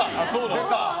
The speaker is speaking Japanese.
出た！